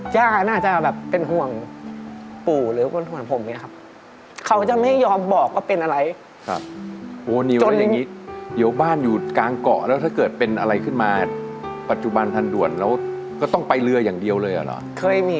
ย่าน่าจะแบบเป็นห่วงปู่หรือว่าห่วงผมไงครับ